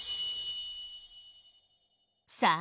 さあ